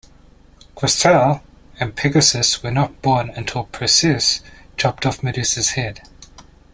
Chrysaor and Pegasus were not born until Perseus chopped off Medusa's head.